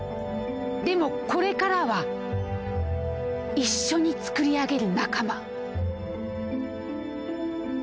でもこれからは一緒に作り上げる仲間。